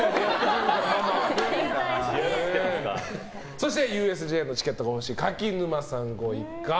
そしてＵＳＪのチケットが欲しい柿沼さんご一家。